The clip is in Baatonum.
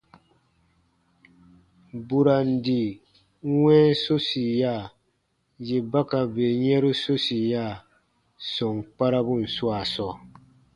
Burandi wɛ̃ɛ sosiya, yè ba ka bè yɛ̃ru sosiya sɔm kparabun swaa sɔɔ.